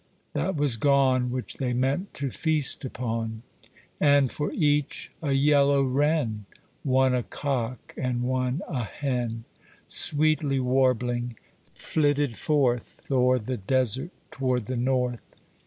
that was gone Which they meant to feast upon. And, for each, a yellow wren, One a cock, and one a hen, Sweetly warbling, flitted forth O'er the desert toward the north.